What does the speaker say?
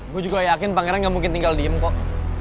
gue juga yakin pangeran gak mungkin tinggal diem kok